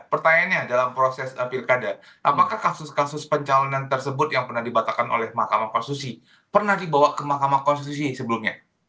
pertanyaannya dalam proses pilkada apakah kasus kasus pencalonan tersebut yang pernah dibatalkan oleh mahkamah konstitusi pernah dibawa ke mahkamah konstitusi sebelumnya